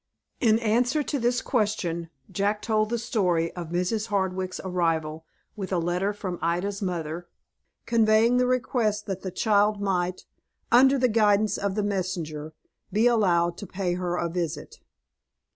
In answer to this question Jack told the story of Mrs. Hardwick's arrival with a letter from Ida's mother, conveying the request that the child might, under the guidance of the messenger, be allowed to pay her a visit.